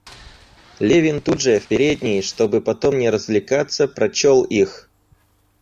Левин тут же, в передней, чтобы потом не развлекаться, прочел их.